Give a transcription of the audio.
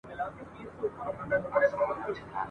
مینه د انسان ښکلی احساس دی.